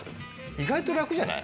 意外と楽じゃない？